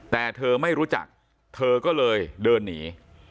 แต่เธอไม่รู้จักเธอก็เลยเดินหนี